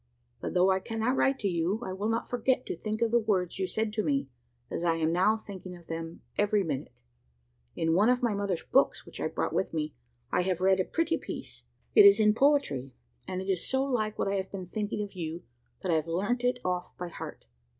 But though I cannot write to you, I will not forget to think of the words you said to me, as I am now thinking of them every minute. In one of my mother's books which I brought with me, I have read a pretty piece. It is in poetry; and it is so like what I have been thinking of you, that I have learnt it off by heart.